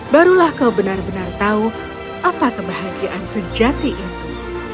barulah kau benar benar tahu apa kebahagiaan sejati itu